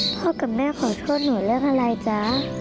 พ่อกับแม่ขอโทษหนูเรื่องอะไรจ๊ะ